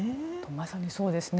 まさにそうですね。